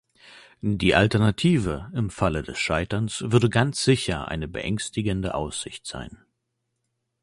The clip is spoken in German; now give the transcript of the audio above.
Die Alternative, im Falle des Scheiterns, würde ganz sicher eine beängstigende Aussicht sein.